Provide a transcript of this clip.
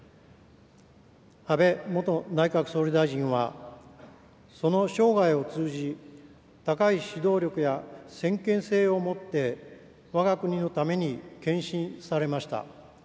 安倍元内閣総理大臣は、その生涯を通じ、高い指導力や先見性を持ってわが国のために献身されました。